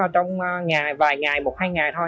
trong vài ngày một hai ngày thôi